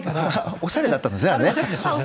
おしゃれだったんですね、あれね。